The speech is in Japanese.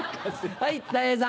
はい。